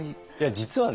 実はね